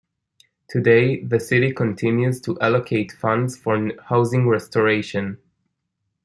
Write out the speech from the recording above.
Today, the city continues to allocate funds for housing restoration.